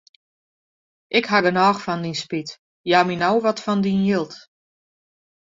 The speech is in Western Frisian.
Ik haw genôch fan dyn spyt, jou my no wat fan dyn jild.